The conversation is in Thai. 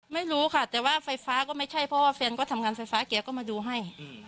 ไม่รู้ค่ะแต่ว่าไฟฟ้าก็ไม่ใช่เพราะว่าแฟนก็ทำงานไฟฟ้าแกก็มาดูให้